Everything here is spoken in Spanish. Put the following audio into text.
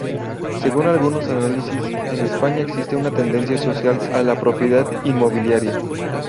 Según algunos análisis, en España existe una tendencia social a la propiedad inmobiliaria.